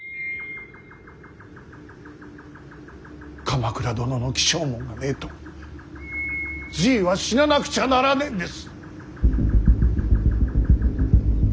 鎌倉殿の起請文がねえとじいは死ななくちゃならねえんです。